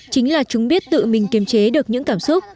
chính là chúng biết tự mình kiềm chế được những cảm xúc